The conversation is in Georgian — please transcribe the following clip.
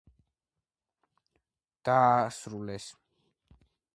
დასასრულს გადადის წყვილთა ცეკვა „ქართულში“.